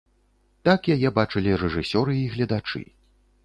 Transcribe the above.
Так яе бачылі рэжысёры і гледачы.